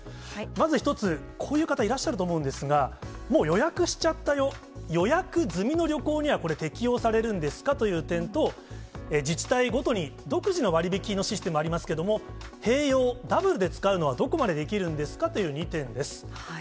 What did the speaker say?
まず１つ、こういう方いらっしゃると思うんですが、もう予約しちゃったよ、予約済みの旅行にはこれ、適用されるんですかという点と、自治体ごとに独自の割引のシステムありますけれども、併用、ダブルで使うのはどこまでできるんですかという２点です。